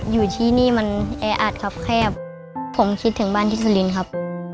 อยู่ที่นี่มันแออัดครับแคบผมคิดถึงบ้านที่สุรินทร์ครับ